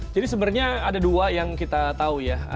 jadi sebenarnya ada dua yang kita tahu ya